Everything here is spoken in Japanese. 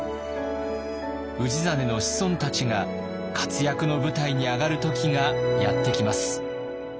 氏真の子孫たちが活躍の舞台に上がる時がやって来ます。